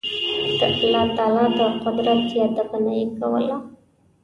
د الله تعالی د قدرت یادونه یې کوله.